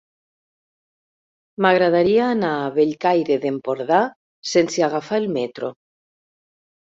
M'agradaria anar a Bellcaire d'Empordà sense agafar el metro.